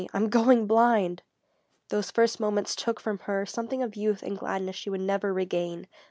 I'm going blind!" Those first moments took from her something of youth and gladness she would never regain.